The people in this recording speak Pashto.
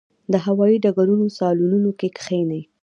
د هوايي ډګرونو صالونونو کې کښېني.